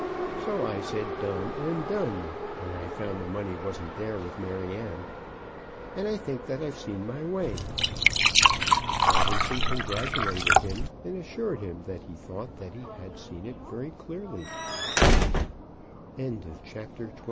So I said done and done, when I found the money wasn't there with Maryanne. And I think that I've seen my way." Robinson congratulated him, and assured him that he thought he had seen it very clearly. CHAPTER XXIV.